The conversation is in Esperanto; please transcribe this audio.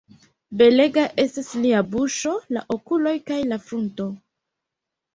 Belega estas lia buŝo, la okuloj kaj la frunto.